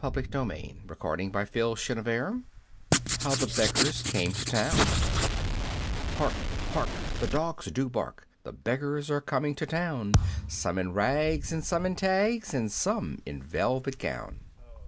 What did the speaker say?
"_ [Illustration: How the Beggars Came to Town] How the Beggars Came to Town Hark, hark, the dogs do bark, The beggars are coming to town: Some in rags, and some in tags, And some in velvet gown.